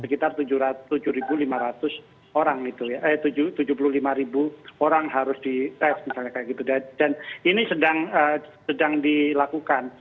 sekitar tujuh ribu lima ratus orang gitu ya eh tujuh puluh lima ribu orang harus di test misalnya kayak gitu dan ini sedang dilakukan